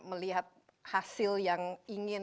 melihat hasil yang ingin